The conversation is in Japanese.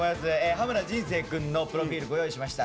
羽村仁成くんのプロフィールご用意しました。